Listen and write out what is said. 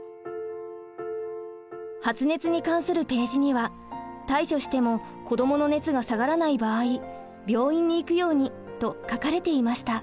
発熱に関するページには対処しても子どもの熱が下がらない場合病院に行くようにと書かれていました。